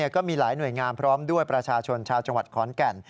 ก็มีหลายหน่วยงานพร้อมด้วยประชาชนชาวจังหวัดขอนแก่น